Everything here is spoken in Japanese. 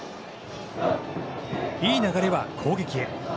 いい流れは攻撃へ。